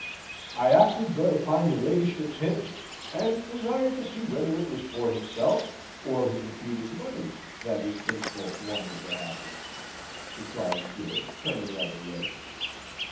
"I acted but upon your ladyship's hint, and desired to see whether it was for himself or his reputed money that his kinsfolk wanted to have him," replies George, turning rather red.